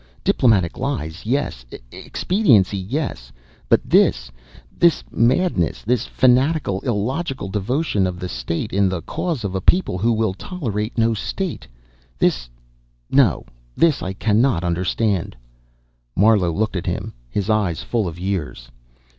Diplomatic lies, yes. Expediency, yes! But this ... this madness, this fanatical, illogical devotion of the state in the cause of a people who will tolerate no state! This ... no, this I cannot understand." Marlowe looked at him, his eyes full of years.